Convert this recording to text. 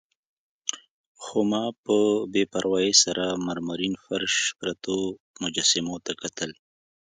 خو ما په بې پروايي سره مرمرین فرش، پرتو مجسمو ته کتل.